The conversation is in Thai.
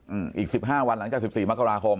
อืมอีก๑๕วันหลังจาก๑๔มกราคม